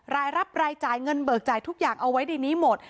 รายรับรายจ่ายเงินเบิกจ่ายทุกอย่างเอาไว้ในนี้หมด